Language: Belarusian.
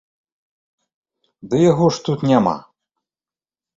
Ды яго ж тут няма.